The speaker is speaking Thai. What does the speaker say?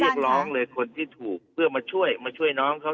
เรียกร้องเลยคนที่ถูกเพื่อมาช่วยมาช่วยน้องเขา